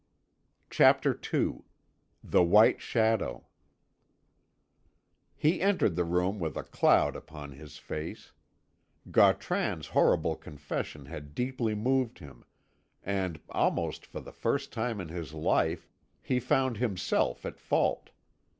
CHAPTER II THE WHITE SHADOW He entered the room with a cloud upon his face. Gautran's horrible confession had deeply moved him, and, almost for the first time in his life, he found himself at fault.